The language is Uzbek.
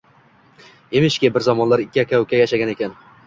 Emishki, bir zamonlar ikki aka-uka yashagan ekan.